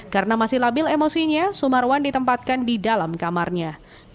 karena masih labil emosinya sumarwan ditempatkan di dalam kamarnya